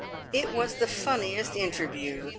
It was the funniest interview!